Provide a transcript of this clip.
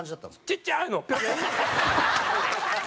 ちっちゃーいの。